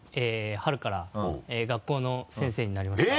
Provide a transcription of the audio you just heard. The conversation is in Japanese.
春から学校の先生になりました。